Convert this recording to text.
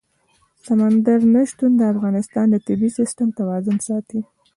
سمندر نه شتون د افغانستان د طبعي سیسټم توازن ساتي.